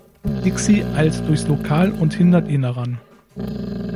Dixie eilt durchs Lokal und hindert ihn daran.